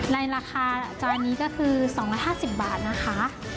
ในราคาจานนี้ก็คือ๒๕๐บาทนะคะ